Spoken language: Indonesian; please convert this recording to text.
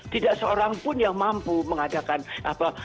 tidak seorang pun yang mampu mengadakan apa